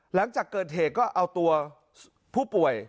หลังจากเกิดเหตุก็เอาตัวผู้ป่วย